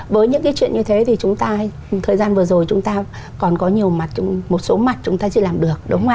với những chuyện như thế thì thời gian vừa rồi chúng ta còn có một số mặt chúng ta chưa làm được